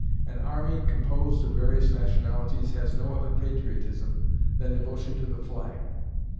An army composed of various nationalities has no other patriotism than devotion to the flag.